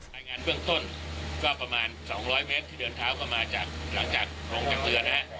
ในงานเบื้องต้นก็ประมาณ๒๐๐เมตรที่เดินเท้ากลับมาหลังจากลงจากเรือ